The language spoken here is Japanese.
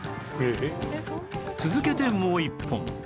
続けてもう１本